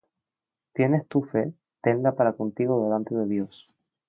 ¿Tienes tú fe? Tenla para contigo delante de Dios.